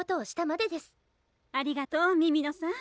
ありがとう美々野さん。